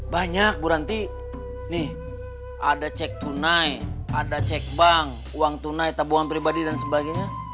banyak bu ranti nih ada cek tunai ada cek bank uang tunai tabungan pribadi dan sebagainya